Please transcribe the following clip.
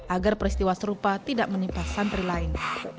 agar peristiwa serupa tidak menimpa santri lain